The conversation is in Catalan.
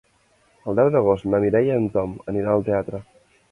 El deu d'agost na Mireia i en Tom aniran al teatre.